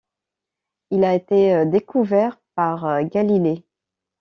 Il a été découvert par Galilée.